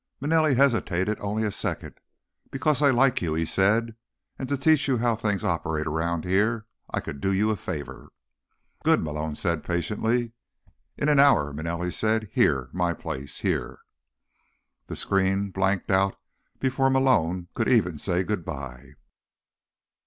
Manelli hesitated only a second. "Because I like you," he said, "and to teach you how things operate around here, I could do you a favor." "Good," Malone said patiently. "In an hour," Manelli said. "My place. Here." The screen blanked out before Malone could even say goodbye.